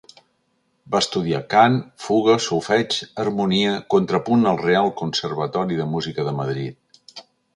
Va estudiar cant, fuga, solfeig, harmonia, contrapunt al Real Conservatori de Música de Madrid.